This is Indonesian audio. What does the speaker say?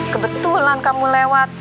kebetulan kamu lewat